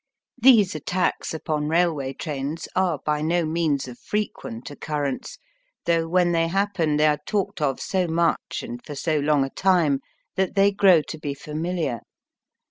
These attacks upon railway trains are by no means of frequent occurrence, though when they happen they are talked of so much and for so long a time that they grow to be familiar.